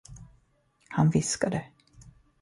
Han viskade.